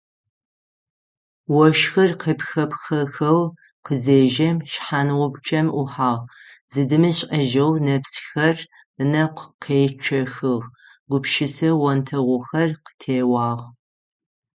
Ощхыр къепхъэпхъэхэу къызежьэм шъхьангъупчъэм ӏухьагъ, зыдимышӏэжьэу нэпсхэр ынэкӏу къечъэхыгъ, гупшысэ онтэгъухэр къытеуагъ.